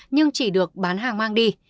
nhưng chỉ được bán hàng mang đi